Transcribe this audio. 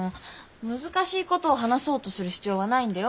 難しいことを話そうとする必要はないんだよ。